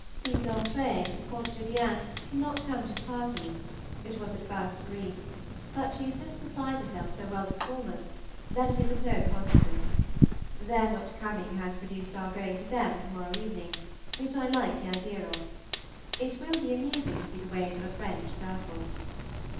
The D'Entraigues and Comte Julien cannot come to the party, which was at first a grief, but she has since supplied herself so well with performers that it is of no consequence; their not coming has produced our going to them to morrow evening, which I like the idea of. It will be amusing to see the ways of a French circle.